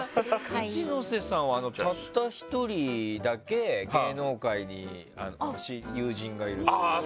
一ノ瀬さんは、たった１人だけ芸能界に友人がいる。